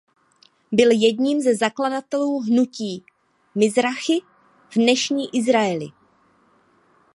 Byl jedním ze zakladatelů hnutí Mizrachi v dnešním Izraeli.